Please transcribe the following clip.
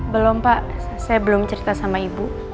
belum pak saya belum cerita sama ibu